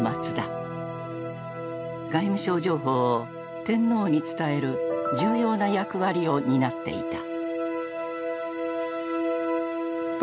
外務省情報を天皇に伝える重要な役割を担っていた。